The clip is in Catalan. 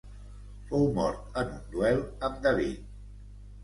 Fou mort en un duel amb David.